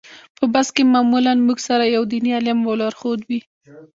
په بس کې معمولا موږ سره یو دیني عالم او لارښود وي.